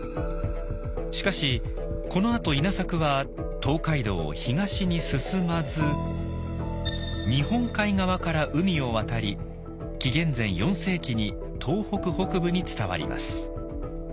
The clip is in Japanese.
しかしこのあと稲作は東海道を東に進まず日本海側から海を渡り紀元前４世紀に東北北部に伝わります。